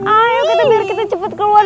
ayo kita biar kita cepet keluar